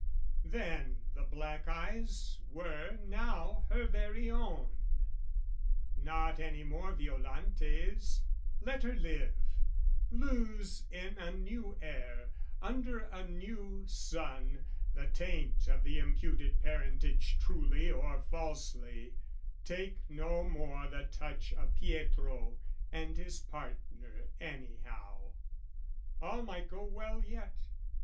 Then the black eyes were now her very own, Not any more Violante's: let her live, Lose in a new air, under a new sun, The taint of the imputed parentage Truely or falsely, take no more the touch Of Pietro and his partner anyhow! All might go well yet.